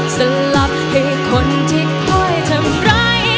สลับให้คนที่คอยทำร้าย